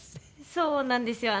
そうなんですよ。